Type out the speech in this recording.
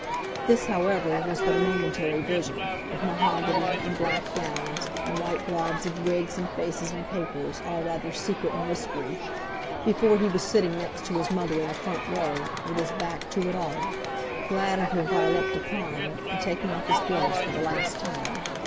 This, however, was but a momentary vision—of mahogany, and black gowns, and white blobs of wigs and faces and papers, all rather secret and whispery—before he was sitting next his mother in the front row, with his back to it all, glad of her violette de Parme, and taking off his gloves for the last time.